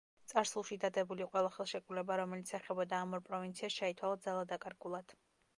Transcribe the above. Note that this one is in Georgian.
წარსულში დადებული ყველა ხელშეკრულება, რომელიც ეხებოდა ამ ორ პროვინციას ჩაითვალა ძალადაკარგულად.